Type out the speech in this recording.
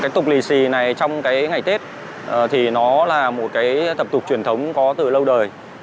cái tục lì xì này trong cái ngày tết thì nó là một cái thập tục truyền thống có từ lâu đời